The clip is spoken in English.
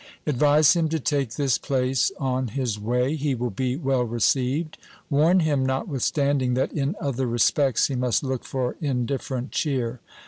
Advise him to take this place on his way ; he will be well received. Warn him, notwithstanding, that, in other respects, he must look for indifferent cheer.